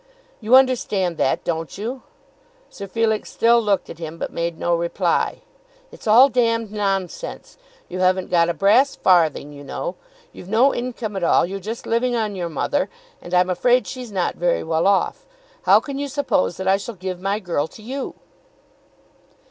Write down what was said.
"You understand that; don't you?" Sir Felix still looked at him, but made no reply. "It's all d nonsense. You haven't got a brass farthing, you know. You've no income at all; you're just living on your mother, and I'm afraid she's not very well off. How can you suppose that I shall give my girl to you?"